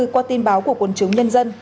qua tin báo của quân chứng nhân dân